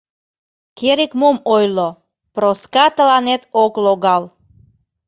Керек-мом ойло: Проска тыланет ок логал...